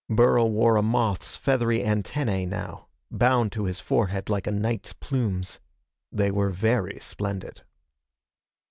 Burl wore a moth's feathery antennae, now, bound to his forehead like a knight's plumes. They were very splendid.